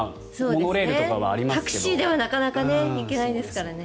タクシーではなかなか行けないですからね。